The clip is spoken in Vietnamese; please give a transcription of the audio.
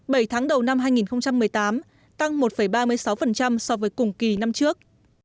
bảy tháng đầu năm hai nghìn một mươi tám tăng một ba mươi sáu so với cùng kỳ năm trước